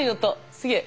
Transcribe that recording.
すげえ。